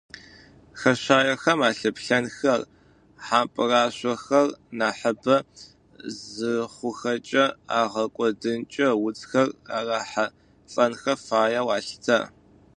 Хэшъаехэм алъыплъэнхэ, хьампӏырашъохэр нахьыбэ зыхъухэкӏэ ягъэкӏодынкӏэ уцхэр арахьылӏэнхэ фаеу алъытэ.